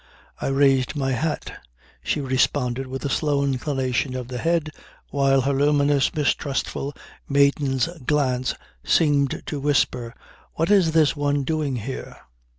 I raised my hat. She responded with a slow inclination of the head while her luminous, mistrustful, maiden's glance seemed to whisper, "What is this one doing here?"